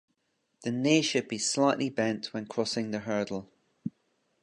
The knee should be slightly bent when crossing the hurdle.